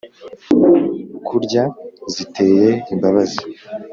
Kurya ziteye imbabazi